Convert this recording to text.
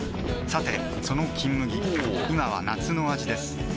さてその「金麦」今は夏の味ですおぉ！